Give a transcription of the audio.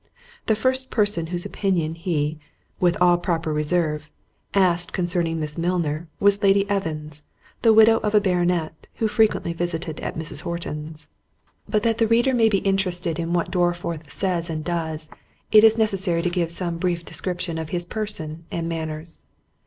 The first person whose opinion he, with all proper reserve, asked concerning Miss Milner, was Lady Evans, the widow of a Baronet, who frequently visited at Mrs. Horton's. But that the reader may be interested in what Dorriforth says and does, it is necessary to give some description of his person and manners.